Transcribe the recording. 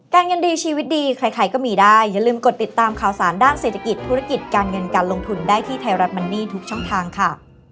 การเงินดีชีวิตดีใครก็มีได้อย่าลืมกดติดตามข่าวสารด้านเศรษฐกิจธุรกิจการเงินการลงทุนได้ที่ไทยรัฐมันนี่ทุกช่องทางค่ะ